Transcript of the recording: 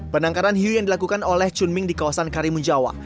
penangkaran hiu yang dilakukan oleh chunming di kawasan karimun jawa